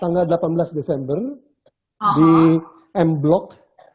saya kalau gak salah tanggal delapan belas desember di m block